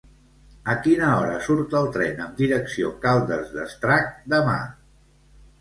A quina hora surt el tren amb direcció Caldes d'Estrac demà?